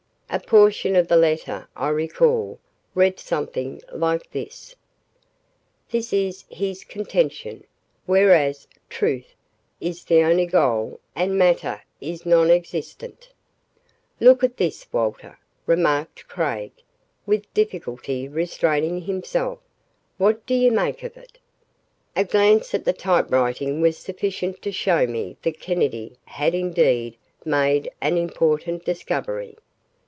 A portion of the letter, I recall, read something like this: "This is his contention: whereas TRUTH is the only goal and MATTER is non existent "Look at this, Walter," remarked Craig, with difficulty restraining himself, "What do you make of it?" A glance at the typewriting was sufficient to show me that Kennedy had indeed made an important discovery.